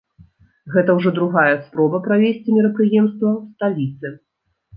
Гэта ўжо другая спроба правесці мерапрыемства ў сталіцы.